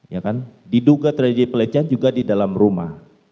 ya kan diduga terjadi pelecehan juga di dalam rumah